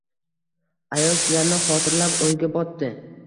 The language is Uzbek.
Ayol shularni xotirlab o`yga botdi